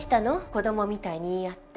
子供みたいに言い合って。